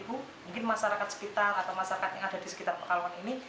mungkin masyarakat sekitar atau masyarakat yang ada di sekitar pekalongan ini